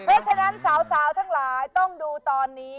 เพราะฉะนั้นสาวทั้งหลายต้องดูตอนนี้